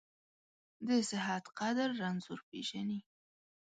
د صحت قدر رنځور پېژني.